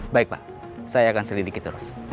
baik pak saya akan selidiki terus